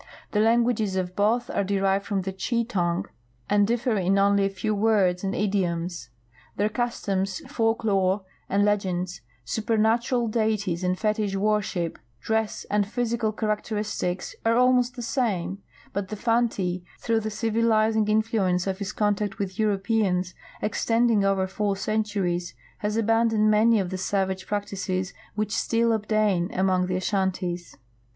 The languages of both are derived from the Tshi tongue and differ in only a few words and idioms. Their customs, folk lore and legends, supernatural dei ties and fetich worship, dress, and physical characteristics are almost the same, but the Fanti, through the civilizing influence of his contact with Europeans, extending over four centuries, has abandoned many of the savage practices which still obtain among the Ashantis.